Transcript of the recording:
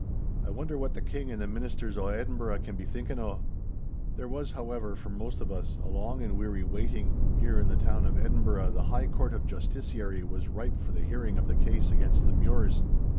I wonder what the King and the ministers o' Edinburgh can be thinkin' o'?' There was, however, for most of us a long and weary waiting, ere in the town of Edinburgh the High Court of Justiciary was ripe for the hearing of the case against the Mures.